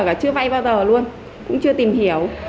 và chưa vay bao giờ luôn cũng chưa tìm hiểu